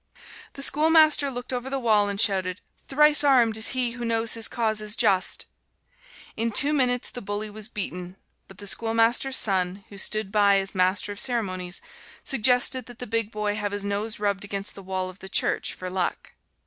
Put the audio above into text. The schoolmaster looked over the wall and shouted, "Thrice armed is he who knows his cause is just!" In two minutes the bully was beaten, but the schoolmaster's son, who stood by as master of ceremonies, suggested that the big boy have his nose rubbed against the wall of the church for luck.